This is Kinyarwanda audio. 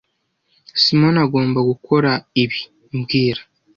Simoni agomba gukora ibi mbwira